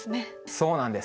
そうなんです。